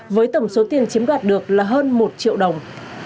với tổng số tiền chiếm đoạt được là hơn một triệu đồng